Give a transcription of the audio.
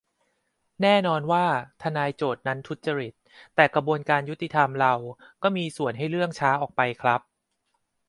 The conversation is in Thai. แน่นอนว่าทนายโจทก์นั้นทุจริต แต่กระบวนการยุติธรรมเราก็มีส่วนให้เรื่องช้าออกไปครับ